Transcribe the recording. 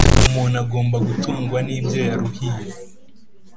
Umuntu agomba gutungwa nibyo yaruhiye